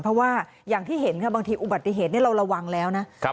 เพราะว่าอย่างที่เห็นค่ะบางทีอุบัติเหตุนี้เราระวังแล้วนะ